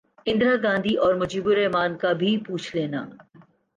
اندرا گاندھی اور مجیب الر حمن کا بھی پوچھ لینا